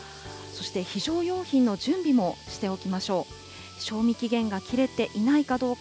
そして、非常用品の準備もしておきましょう。